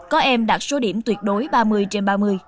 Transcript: có em đạt số điểm tuyệt đối ba mươi trên ba mươi